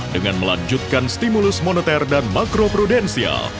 dengan melanjutkan stimulus moneter dan makroprudensial